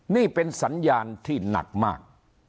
นี่เป็นสัญญาณที่หนักมาก